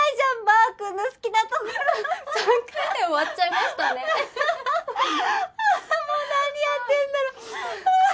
ああもうなにやってんだろう。